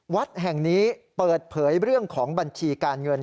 วัดแห่งนี้เปิดเผยเรื่องของบัญชีการเงิน